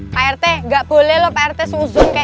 pak rt gak boleh loh pak rt seuzur kayak gini